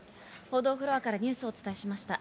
報道フロアからニュースをお伝えしました。